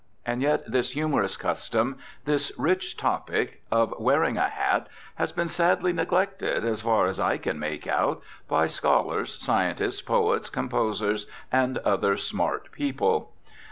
And yet this humorous custom, this rich topic, of wearing a hat has been sadly neglected, as far as I can make out, by scholars, scientists, poets, composers, and other "smart" people.